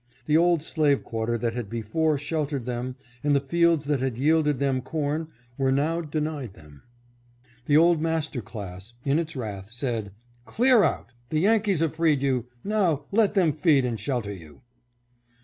The old slave quarter that had before sheltered them and the fields that had yielded them corn were now denied them. 614 THOUGH THEY WERE TURNED OUT WITHOUT FRIENDS. The old master class, in its wrath, said, " Clear out ! The Yankees have freed you, now let them feed and shel ter you